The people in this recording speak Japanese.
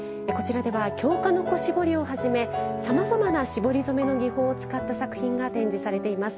京鹿の子絞りをはじめさまざまな絞り染めの技法を使った作品を展示しています。